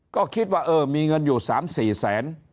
ก็คิดว่าเออมีเงินอยู่๓๔แสน